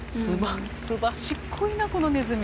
すばしっこいなこのネズミ。